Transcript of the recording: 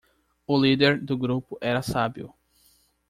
O líder do grupo era sábio.